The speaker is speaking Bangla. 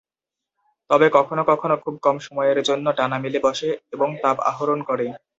তবে কখনো কখনো খুব কম সময়ের জন্য ডানা মেলে বসে এবং তাপ আহরণ করে।